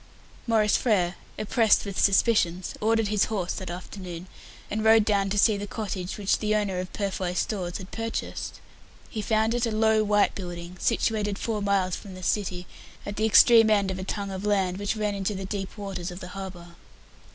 Maurice Frere, oppressed with suspicions, ordered his horse that afternoon, and rode down to see the cottage which the owner of "Purfoy Stores" had purchased. He found it a low white building, situated four miles from the city, at the extreme end of a tongue of land which ran into the deep waters of the harbour.